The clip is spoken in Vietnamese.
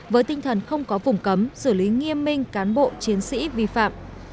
với tinh thần không có vùng cấm xử lý nghiêm minh cán bộ chiến sĩ vi phạm